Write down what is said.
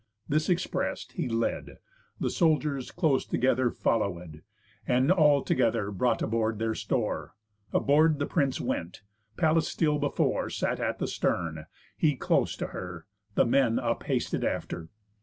This express'd, he led, The soldiers close together followed; And all together brought aboard their store. Aboard the prince went; Pallas still before Sat at the stern, he close to her, the men Up hasted after.